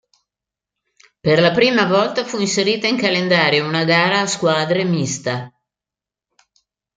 Per la prima volta fu inserita in calendario una gara a squadre mista.